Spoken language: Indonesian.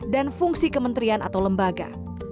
dan fungsi kementerian atau lembaga